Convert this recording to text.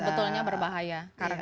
betul betulnya berbahaya